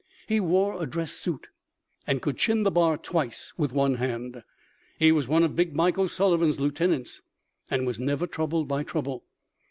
He wore a dress suit, and could chin the bar twice with one hand. He was one of "Big Mike" O'Sullivan's lieutenants, and was never troubled by trouble.